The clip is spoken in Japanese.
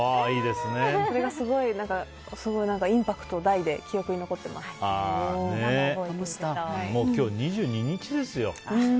それがすごいインパクト大で今日、２２日ですよ。